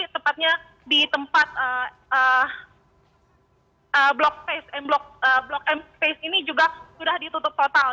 tepatnya di tempat blok m space ini juga sudah ditutup total